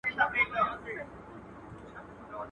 خر په پالانه نه درنېږي.